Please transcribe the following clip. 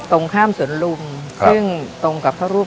ตรงข้ามสวนลุมซึ่งตรงกับพระรูป